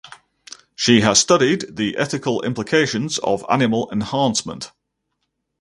She has studied the ethical implications of animal enhancement.